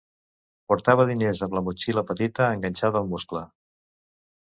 Portava diners amb la motxilla petita enganxada al muscle.